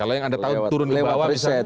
kalau yang anda tahu turun ke bawah